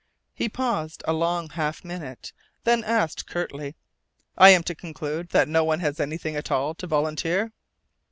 He paused a long half minute, then asked curtly: "I am to conclude that no one has anything at all to volunteer?"